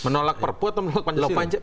menolak prpu atau menolak pancasila